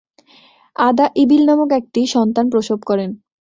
আদা ইবিল নামক একটি সন্তান প্রসব করেন।